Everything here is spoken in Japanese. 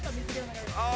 ああ。